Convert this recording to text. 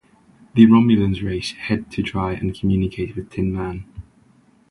The Romulans race ahead to try and communicate with Tin Man.